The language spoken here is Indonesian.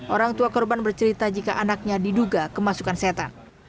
orang tua korban bercerita jika anaknya diduga kemasukan setan